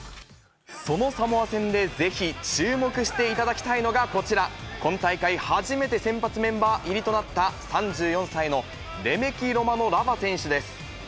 そのサモア戦で、ぜひ注目していただきたいのがこちら、今大会初めて先発メンバー入りとなった３４歳のレメキロマノラヴァ選手です。